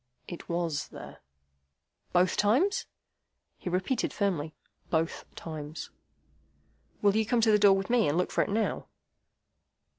"It WAS there." "Both times?" He repeated firmly: "Both times." "Will you come to the door with me, and look for it now?"